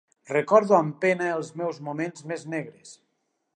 Recordo amb pena els meus moments més negres.